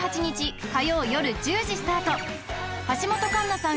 橋本環奈さん